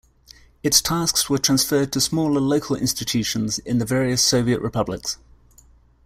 Its tasks were transferred to smaller, local institutions in the various Soviet republics.